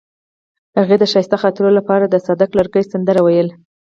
هغې د ښایسته خاطرو لپاره د صادق لرګی سندره ویله.